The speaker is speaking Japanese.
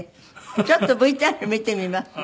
ちょっとＶＴＲ見てみますね。